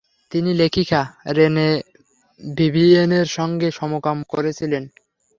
তিনি লেখিকা রেনে ভিভিয়েনের সঙ্গে সমকাম করেছিলেন।